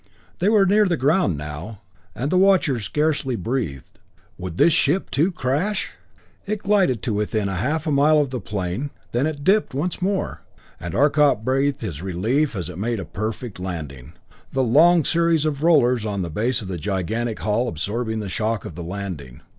They were near the ground now and the watchers scarcely breathed. Would this ship, too, crash? It glided to within a half mile of the plain then it dipped once more, and Arcot breathed his relief as it made a perfect landing, the long series of rollers on the base of the gigantic hull absorbing the shock of the landing.